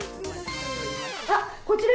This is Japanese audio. あっこちら？